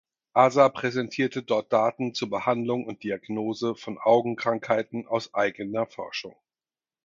Asa präsentierte dort Daten zur Behandlung und Diagnose von Augenkrankheiten aus eigener Forschung.